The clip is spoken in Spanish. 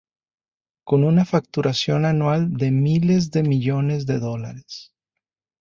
Con una facturación anual de miles de millones de dólares.